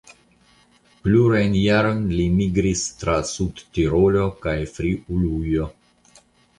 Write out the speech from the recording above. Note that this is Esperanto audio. Plurajn jarojn li migris tra Sudtirolo kaj Friulujo.